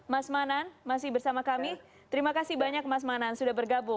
mas manan masih bersama kami terima kasih banyak mas manan sudah bergabung